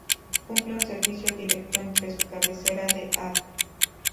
Cumple un servicio directo entre su cabecera de Av.